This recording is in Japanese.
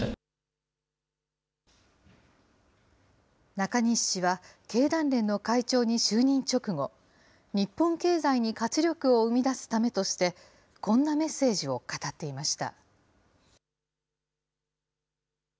中西氏は、経団連の会長に就任直後、日本経済に活力を生み出すためとして、こんなメッセージを語っていました。